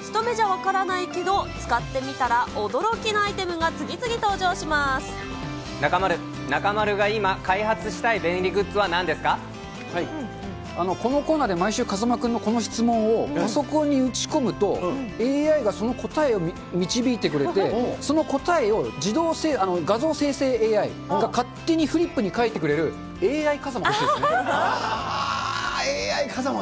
一目じゃ分からないけど、使ってみたら驚きのアイテムが次々登場中丸、中丸が今、開発したいこのコーナーで毎週、風間君のこの質問をパソコンに打ち込むと、ＡＩがその答えを導いてくれて、その答えを、画像生成ＡＩが勝手にフリップに書いてくれる、ＡＩ風間欲しいであー、ＡＩ風間ね。